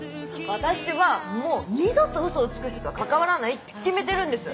私はもう二度と嘘をつく人とは関わらないって決めてるんです！